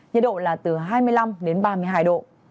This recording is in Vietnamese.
nhiệt độ là từ hai mươi năm đến ba mươi hai độ